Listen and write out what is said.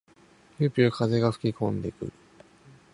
ぴゅうぴゅう風が吹きこんでくる。